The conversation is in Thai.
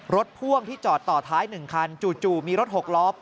พ่วงที่จอดต่อท้าย๑คันจู่มีรถ๖ล้อ